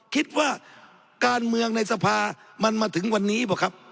คิดว่าการเมืองในสภามันมาถึงวันนี้ป่ะครับ